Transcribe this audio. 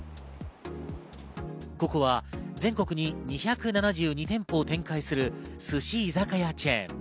ここは全国に２７２店舗を展開する寿司居酒屋チェーン。